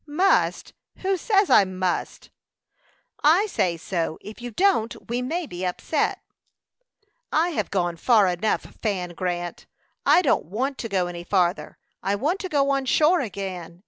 "Must! Who says I must?" "I say so; if you don't, we may be upset." "I have gone far enough, Fan Grant; I don't want to go any farther: I want to go on shore again!"